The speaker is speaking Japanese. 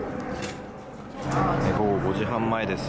午後５時半前です。